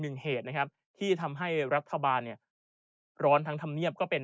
เหตุนะครับที่ทำให้รัฐบาลเนี่ยเดือดร้อนทั้งธรรมเนียบก็เป็น